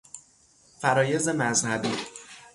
فرایض مذهبی